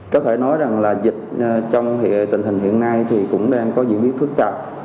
có thể nói rằng là dịch trong tình hình hiện nay thì cũng đang có diễn biến phức tạp